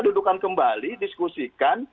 dudukan kembali diskusikan